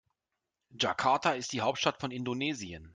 Jakarta ist die Hauptstadt von Indonesien.